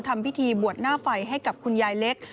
ทำพิธีบวชหน้าไฟให้กับคุณยายเล็ก